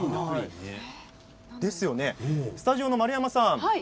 スタジオの丸山さん